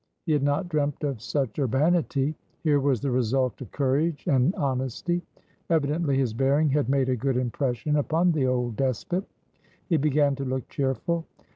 He had not dreamt of such urbanity. Here was the result of courage and honesty. Evidently his bearing had made a good impression upon the old despot. He began to look cheerful.